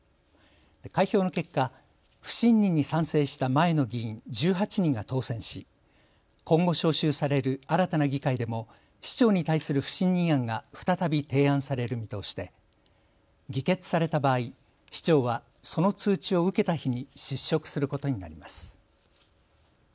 開票の結果、不信任に賛成した前の議員１８人が当選し今後、招集される新たな議会でも市長に対する不信任案が再び提案される見通しで議決された場合、市長はその通知を受けた日に失職することになります。